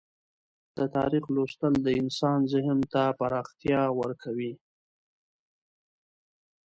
د تاریخ لوستل د انسان ذهن ته پراختیا ورکوي.